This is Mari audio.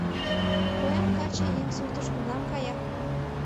Поян каче еҥ суртыш кунам кая?